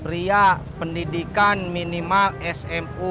ria pendidikan minimal smu